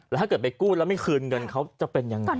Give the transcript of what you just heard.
แล้วถ้าเกิดไปกู้แล้วไม่คืนเงินเขาจะเป็นยังไง